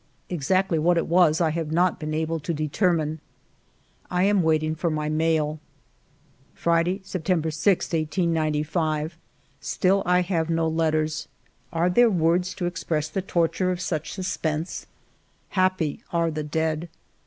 Exactly what it was I have not been able to determine. I am waiting for my mail. 1 64 FIVE YEARS OF MY LIFE Friday^ September 6, 1895. Still I have no letters. Are there words to ex press the torture of such suspense? Happy are the dead